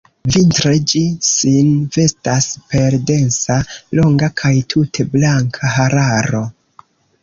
Vintre ĝi sin vestas per densa, longa kaj tute blanka hararo.